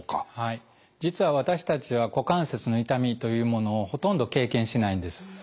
実は私たちは股関節の痛みというものをほとんど経験しないんです。